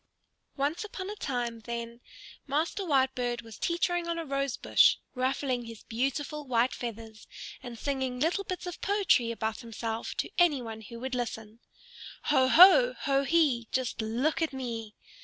Once upon a time, then, Master Whitebird was teetering on a rose bush, ruffling his beautiful white feathers and singing little bits of poetry about himself to any one who would listen. "Ho ho, ho hee, Just look at me!"